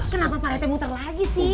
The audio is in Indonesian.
kenapa pak rete muter lagi sih